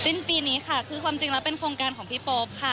สิ้นปีนี้ค่ะคือความจริงแล้วเป็นโครงการของพี่โป๊ปค่ะ